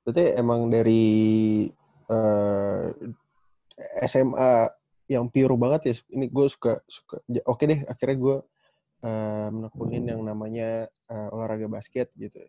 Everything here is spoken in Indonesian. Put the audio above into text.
berarti emang dari sma yang piru banget ya ini gue suka oke deh akhirnya gue menekungin yang namanya olahraga basket gitu